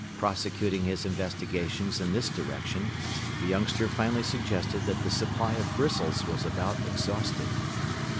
Prosecuting his investigations in this direction, the youngster finally suggested that the supply of bristles was about exhausted.